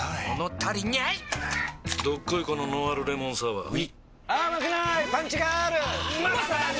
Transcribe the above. どっこいこのノンアルレモンサワーうぃまさに！